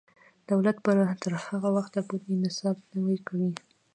دولت به تر هغه وخته پورې نصاب نوی کوي.